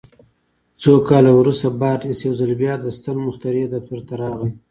څو کاله وروسته بارنس يو ځل بيا د ستر مخترع دفتر ته راغی.